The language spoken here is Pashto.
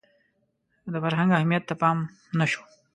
د فرهنګ اهمیت ته پام نه شو